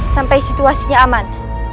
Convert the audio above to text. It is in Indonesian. sampai situasinya aman